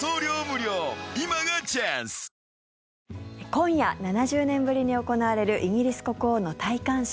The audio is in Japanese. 今夜７０年ぶりに行われるイギリス国王の戴冠式。